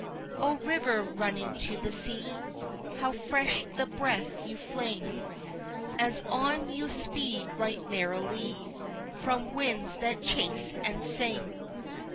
O river, running to the sea! How fresh the breath you fling, As on you speed right merrily From winds that chase and sing!